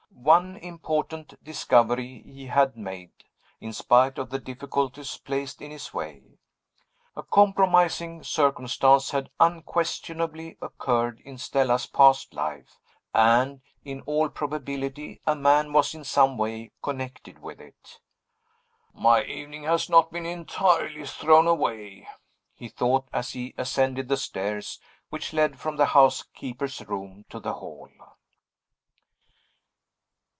One important discovery he had made, in spite of the difficulties placed in his way. A compromising circumstance had unquestionably occurred in Stella's past life; and, in all probability, a man was in some way connected with it. "My evening has not been entirely thrown away," he thought, as he ascended the stairs which led from the housekeeper's room to the hall.